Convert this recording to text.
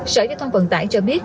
sở dịch vận tải trở về